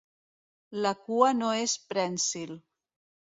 La cua no és prènsil.